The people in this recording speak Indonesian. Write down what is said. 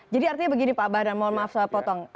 jadi artinya begini pak badan mohon maaf saya potong